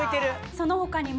その他にも。